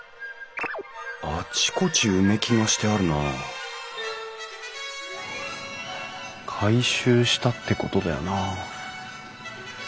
あちこち埋木がしてあるな改修したってことだよな。